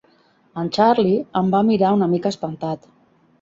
En Charley em va mirar una mica espantat.